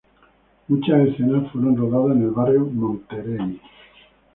Muchas escenas fueron rodadas en el barrio Monterey.